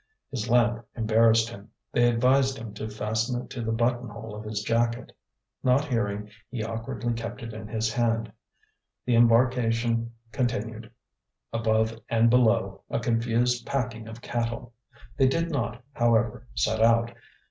His lamp embarrassed him; they advised him to fasten it to the button hole of his jacket. Not hearing, he awkwardly kept it in his hand. The embarkation continued, above and below, a confused packing of cattle. They did not, however, set out.